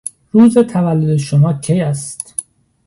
روز تولد شما کی است؟